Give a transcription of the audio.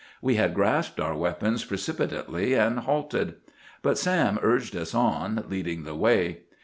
We had grasped our weapons precipitately, and halted. But Sam urged us on, leading the way.